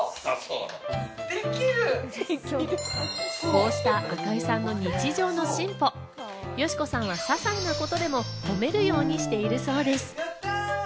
こうした赤井さんの日常の進歩、佳子さんはささいなことでも褒めるようにしているそうです。